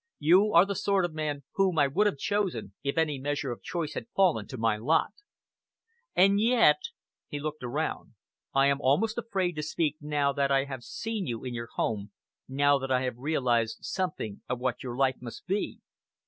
You are the sort of man whom I would have chosen, if any measure of choice had fallen to my lot. And yet," he looked around, "I am almost afraid to speak now that I have seen you in your home, now that I have realized something of what your life must be."